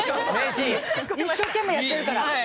一生懸命やってるから。